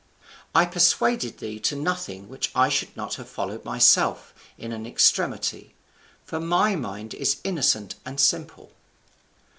I persuaded thee to nothing which I should not have followed myself in thy extremity; for my mind is innocent and simple.